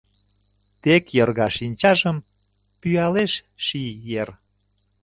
Тек йорга шинчажым пӱялеш ший ер.